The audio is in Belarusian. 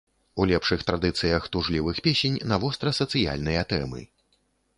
У лепшых традыцыях тужлівых песень на востра-сацыяльныя тэмы.